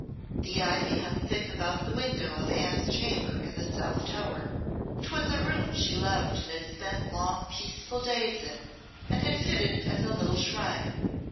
The ivy hung thick about the window of Anne's chamber in the South Tower. 'Twas a room she loved and had spent long, peaceful days in, and had fitted as a little shrine.